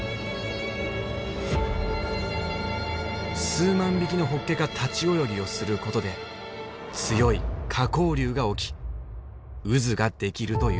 数万匹のホッケが立ち泳ぎをすることで強い下降流が起き渦が出来るというのだ。